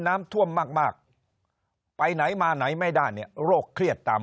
น้ำท่วมมากไปไหนมาไหนไม่ได้เนี่ยโรคเครียดตาม